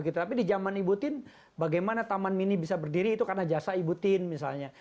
tapi di zaman ibu tin bagaimana taman mini bisa berdiri itu karena jasa ibu tin misalnya